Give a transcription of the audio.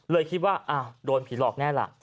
เลยคิดว่าโดนผีหลอกแน่ล่ะ